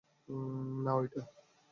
না, অইটা।